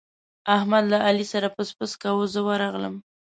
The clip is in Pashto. احمد له علي سره پسپسی کاوو، زه ورغلم.